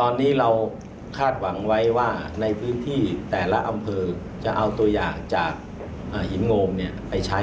ตอนนี้เราคาดหวังไว้ว่าในพื้นที่แต่ละอำเภอจะเอาตัวอย่างจากหินโงมไปใช้